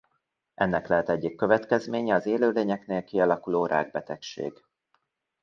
Ennek lehet egyik következménye az élőlényeknél kialakuló rákbetegség.